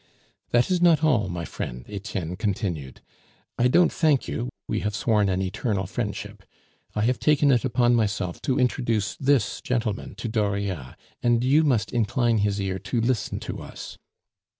"That is not all, my friend," Etienne continued; "I don't thank you, we have sworn an eternal friendship. I have taken it upon myself to introduce this gentleman to Dauriat, and you must incline his ear to listen to us."